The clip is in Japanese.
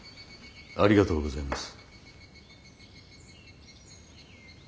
ありがとうございます。